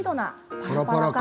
パラパラ感。